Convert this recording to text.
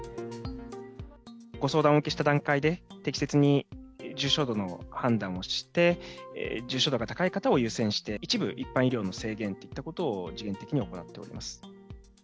ご相談をお受けした段階で、適切に重症度の判断をして、重症度が高い方を優先して、一部、一般診療の制限といったことを人為的に行っております。